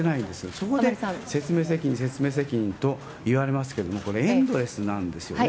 そこで説明責任、説明責任と言われますけれども、これ、エンドレスなんですよね。